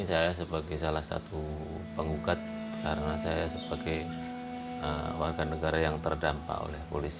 saya sebagai salah satu penggugat karena saya sebagai warga negara yang terdampak oleh polisi